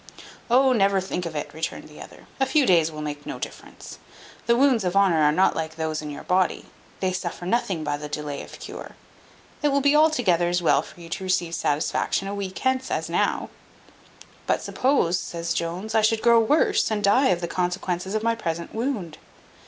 "Oh, never think of it," returned the other: "a few days will make no difference. The wounds of honour are not like those in your body: they suffer nothing by the delay of cure. It will be altogether as well for you to receive satisfaction a week hence as now." "But suppose," says Jones, "I should grow worse, and die of the consequences of my present wound?"